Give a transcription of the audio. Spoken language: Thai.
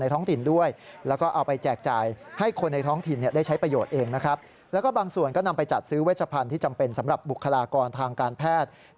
ที่จำเป็นสำหรับบุคลากรทางการแพทย์